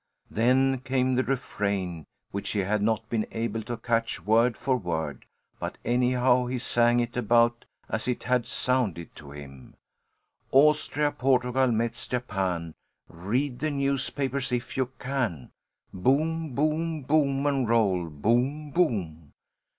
Then came the refrain, which he had not been able to catch word for word, but anyhow he sang it about as it had sounded to him: Austria, Portugal, Metz, Japan, Read the newspapers, if you can. Boom, boom, boom, and roll. Boom, boom.